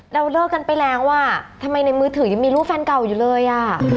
เราเลิกกันไปแล้วอ่ะทำไมในมือถือยังมีลูกแฟนเก่าอยู่เลยอ่ะ